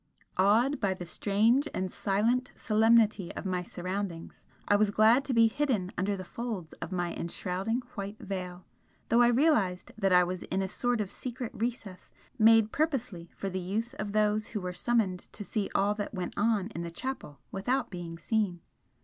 Awed by the strange and silent solemnity of my surroundings, I was glad to be hidden under the folds of my enshrouding white veil, though I realised that I was in a sort of secret recess made purposely for the use of those who were summoned to see all that went on in the chapel without being seen.